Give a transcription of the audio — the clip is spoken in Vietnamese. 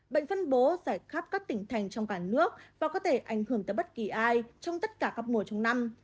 bệnh phân bố giải khắp các tỉnh thành trong cả nước và có thể ảnh hưởng tới bất kỳ ai trong tất cả các mùa trong năm